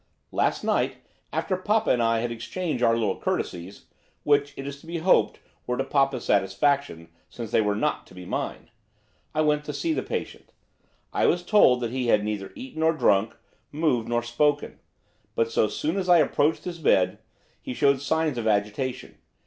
'Last night, after papa and I had exchanged our little courtesies, which, it is to be hoped, were to papa's satisfaction, since they were not to be mine I went to see the patient. I was told that he had neither eaten nor drunk, moved nor spoken. But, so soon as I approached his bed, he showed signs of agitation.